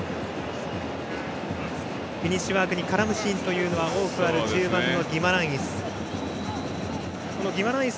フィニッシュワークに絡むシーンは多くある中盤のギマランイス。